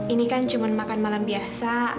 ini kan cuma makan malam biasa